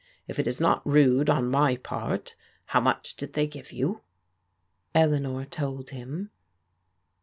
If it is not rude on my part, how much did they give you? " Eleanor told him.